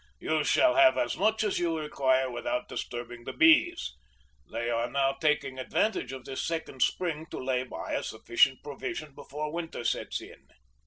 You shall have as much as you require without disturbing the bees. They are now taking advantage of this second spring to lay by a sufficient provision before winter sets in."